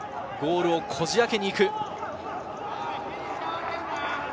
ゴールをこじあけに行く。